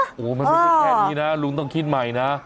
โอ้โหมันไม่ใช่แค่นี้นะลุงต้องคิดใหม่นะ